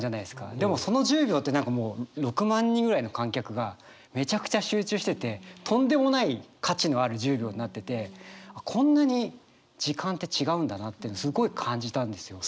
でもその１０秒って何かもう６万人ぐらいの観客がめちゃくちゃ集中しててとんでもない価値のある１０秒になっててこんなにすごい感じたんですよ。